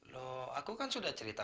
loh aku kan sudah cerita